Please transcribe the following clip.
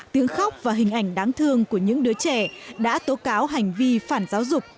tiếng khóc và hình ảnh đáng thương của những đứa trẻ đã tố cáo hành vi phản giáo dục